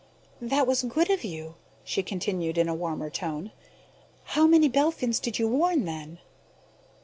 "That was good of you." She continued in a warmer tone: "How many Belphins did you warn, then?"